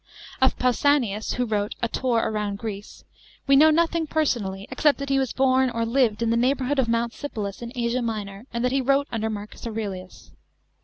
Of PAUSANIAS, who wrote a "Tour round Greece," § we know nothing personally, except that he was born or lived in the neighbourhood of Mount Sipylus in Asia Minor, and that he wrote under Marcus Aurelius.